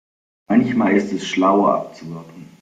Manchmal ist es schlauer abzuwarten.